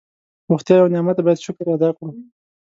روغتیا یو نعمت ده باید شکر یې ادا کړو.